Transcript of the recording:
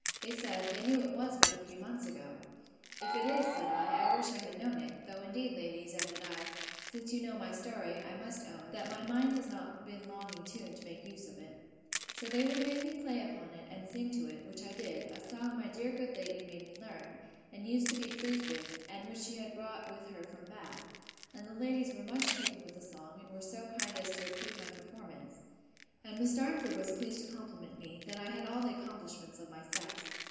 They said, they knew it was but a few months ago. If it is, said I, I wish I had known it; though indeed, ladies, added I, since you know my story, I must own, that my mind has not been long in tune, to make use of it. So they would make me play upon it, and sing to it; which I did, a song my dear good lady made me learn, and used to be pleased with, and which she brought with her from Bath: and the ladies were much taken with the song, and were so kind as to approve my performance: And Miss Darnford was pleased to compliment me, that I had all the accomplishments of my sex.